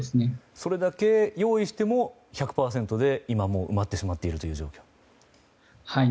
それだけ用意しても１００％で今埋まってしまっているという状況？